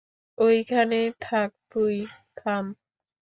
ঐখানেই থাক তুই, থাম।